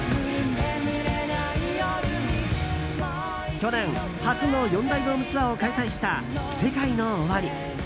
去年初の四大ドームツアーを開催したＳＥＫＡＩＮＯＯＷＡＲＩ。